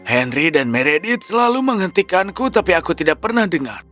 henry dan meredith selalu menghentikanku tapi aku tidak pernah dengar